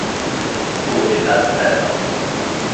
Comoditat freda